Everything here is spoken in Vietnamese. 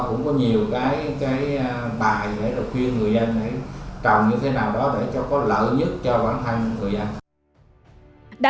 cũng có nhiều cái bài để khuyên người dân trồng như thế nào đó để có lợi nhất cho bán hàng người dân